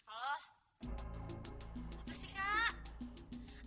apa sih kak